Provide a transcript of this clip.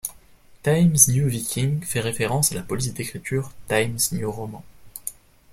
Times New Viking fait référence à la police d’écriture Times New Roman.